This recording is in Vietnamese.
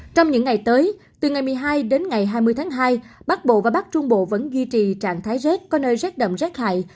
trong những ngày tới từ ngày một mươi hai đến ngày hai mươi tháng hai bắc bộ và bắc trung bộ vẫn duy trì trạng thái rét có nơi rét đậm rét hại